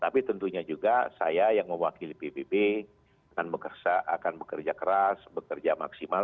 tapi tentunya juga saya yang mewakili pbb akan bekerja keras bekerja maksimal